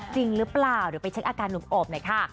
จริงหรือเปล่าเดี๋ยวไปเช็คอาการหนุ่มโอบหน่อยค่ะ